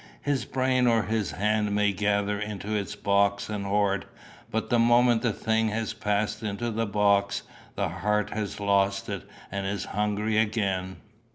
His brain or his hand may gather into its box and hoard; but the moment the thing has passed into the box, the heart has lost it and is hungry again.